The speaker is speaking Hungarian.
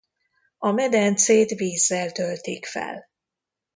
A medencét vízzel töltik fel.